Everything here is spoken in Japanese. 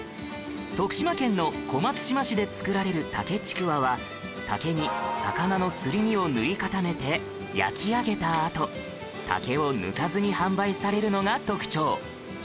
徳島県の小松島市で作られる竹ちくわは竹に魚のすり身を塗り固めて焼き上げたあと竹を抜かずに販売されるのが特徴